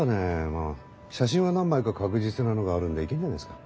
まあ写真は何枚か確実なのがあるんでいけんじゃないっすか？